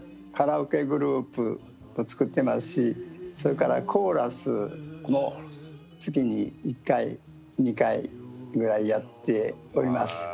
カラオケグループを作ってますしそれからコーラスも月に１回２回ぐらいやっております。